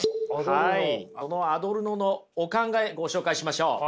アドルノのお考えご紹介しましょう。